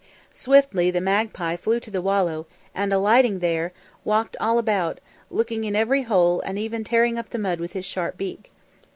Swiftly the magpie flew to the wallow, and alighting there, walked all about, looking in every hole and even tearing up the mud with his sharp beak.